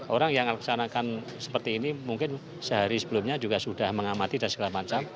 orang yang melaksanakan seperti ini mungkin sehari sebelumnya juga sudah mengamati dan segala macam